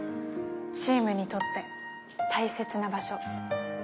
チームにとって大切な場所。